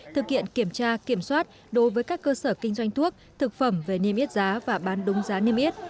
thực hiện kiểm tra kiểm soát đối với các cơ sở kinh doanh thuốc thực phẩm về niêm yết giá và bán đúng giá niêm yết